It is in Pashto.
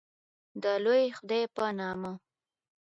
د لوی خدای په نامه